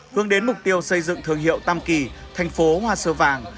hướng đến mục tiêu xây dựng thương hiệu tam kỳ thành phố hoa xưa vàng